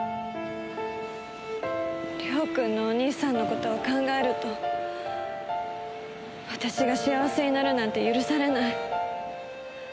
涼くんのお兄さんの事を考えると私が幸せになるなんて許されない。